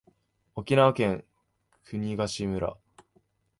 沖縄県国頭村